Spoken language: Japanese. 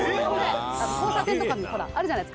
「交差点とかにほらあるじゃないですか」